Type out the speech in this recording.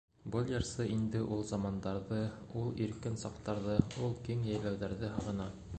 Был йырсы инде ул замандарҙы, ул иркен саҡтарҙы, ул киң йәйләүҙәрҙе һағына.